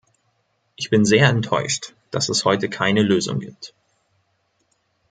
Ich bin sehr enttäuscht, dass es heute keine Lösung gibt.